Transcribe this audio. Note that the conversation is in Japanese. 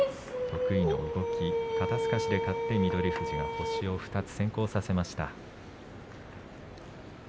得意の肩すかしで勝った翠富士、星を２つ先行させました。